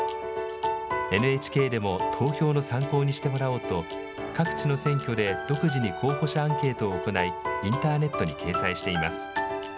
ＮＨＫでも投票の参考にしてもらおうと、各地の選挙で独自に候補者アンケートを行い、インターネットに掲載しています。